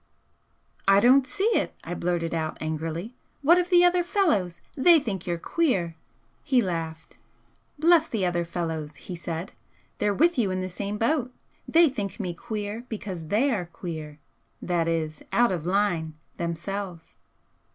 'I don't see it,' I blurted out, angrily 'What of the other fellows? They think you're queer!' He laughed. 'Bless the other fellows!' he said 'They're with you in the same boat! They think me queer because THEY are queer that is, out of line themselves.'